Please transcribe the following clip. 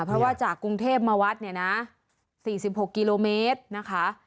เพราะว่าจากกรุงเทพมาวัดเนี่ยนะ๔๖กิโลเมตรนะคะ